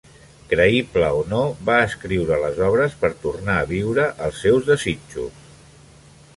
Creïble o no, va escriure les obres per tornar a viure els seus desitjos.